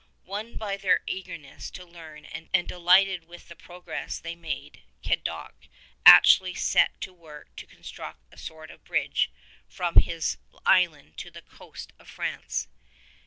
Won by their eagerness to learn and delighted with the progress they made, Cadoc actually set to work to construct a sort of bridge from his 126 island to the coast of France.